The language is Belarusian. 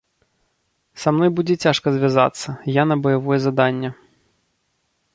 Са мной будзе цяжка звязацца, я на баявое заданне.